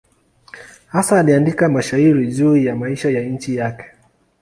Hasa aliandika mashairi juu ya maisha ya nchi yake.